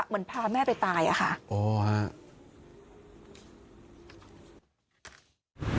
เหมือนพาแม่ไปตายค่ะโอ้ค่ะโอ้ค่ะ